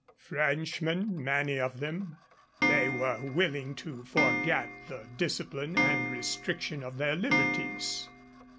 Frenchmen, many of them, they were willing to forget the discipline and restriction of their liberties.